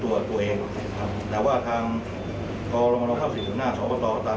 ทางรัฐวาธิ์ไม่ทอดทิ้ง